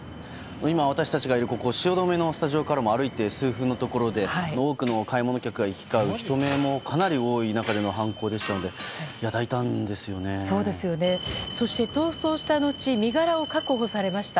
今、私たちがいる汐留のスタジオからも歩いて数分のところで多くの買い物客が行き交う人目もかなり多い中でのそして、逃走した後に身柄を確保されました。